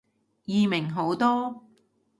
易明好多